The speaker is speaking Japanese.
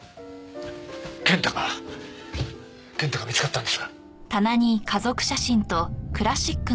健太が健太が見つかったんですか！？